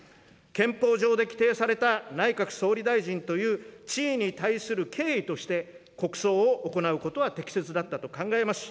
憲法上で規定された、内閣総理大臣という地位に対する敬意として、国葬を行うことは適切だったと考えます。